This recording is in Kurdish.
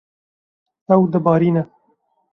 Ew dibarîne.